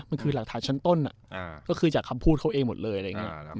มันคือหลักฐานชั้นต้นก็คือจากคำพูดเขาเองหมดเลยอะไรอย่างนี้